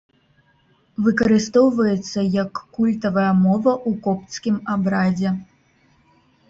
Выкарыстоўваецца як культавая мова ў копцкім абрадзе.